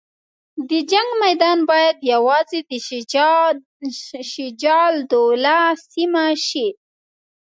د جنګ میدان باید یوازې د شجاع الدوله سیمه شي.